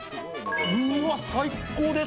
うわ、最高です。